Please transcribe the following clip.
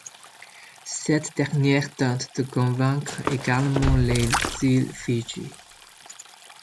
Cette dernière tente de convaincre également les îles Fidji.